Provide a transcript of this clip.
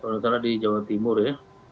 soalnya di jawa timur ya